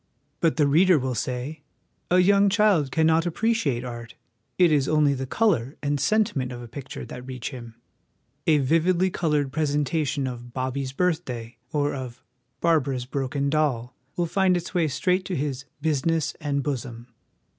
But the reader will say, 'A young child cannot appreciate art ; it is only the colour and sentiment of a picture that reach him. A vividly coloured presentation of Bobbie's Birthday, or of 308 HOME EDUCATION Barbara's Broken Doll, will find its way straight to his "business and bosom.'"